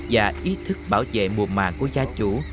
và ý thức bảo vệ mùa màng của gia chủ